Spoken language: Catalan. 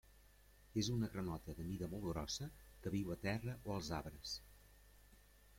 És una granota de mida molt grossa que viu a terra o als arbres.